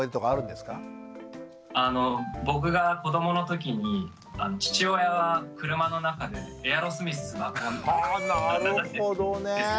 僕が子どものときに父親は車の中でエアロスミス流してたんです。